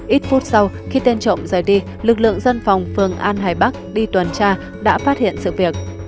ít phút sau khi tên trộm rời đi lực lượng dân phòng phường an hải bắc đi tuần tra đã phát hiện sự việc